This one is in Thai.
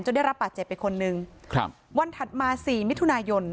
ได้รับบาดเจ็บไปคนนึงครับวันถัดมาสี่มิถุนายน